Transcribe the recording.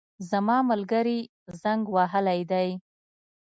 زما ملګري زنګ وهلی دی